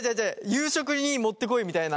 夕食にもってこいみたいな。